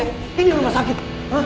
ini rumah sakit